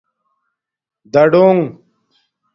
دَڈݸنݣ